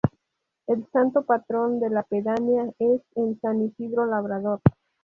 El santo patrón de la pedanía es san Isidro Labrador.